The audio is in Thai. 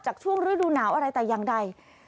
จากช่วงฤดูหนาวอะไรแต่ยังใด